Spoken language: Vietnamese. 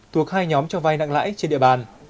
thuộc hai nhóm cho vay nặng lãi trên địa bàn